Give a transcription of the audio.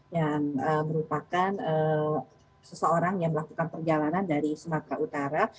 yang merupakan seseorang yang melakukan perjalanan dari sumatera utara